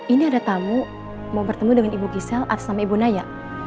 ini ada tamu mau bertemu dengan ibu gisela atas nama ibu naya